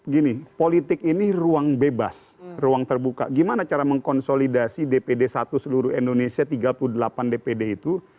gini politik ini ruang bebas ruang terbuka gimana cara mengkonsolidasi dpd satu seluruh indonesia tiga puluh delapan dpd itu